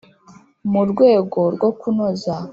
mu rwego rwo kunoza